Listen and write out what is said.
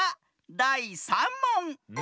だい３もん！